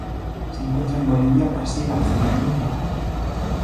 Se encuentra en Bolivia, Brasil, Argentina y Paraguay.